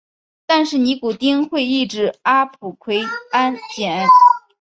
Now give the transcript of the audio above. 但是尼古丁会抑制阿朴奎胺碱。